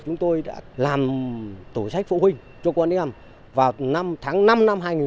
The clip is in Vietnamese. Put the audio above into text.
chúng tôi đã làm tổ sách phụ huynh cho con em vào tháng năm năm hai nghìn một mươi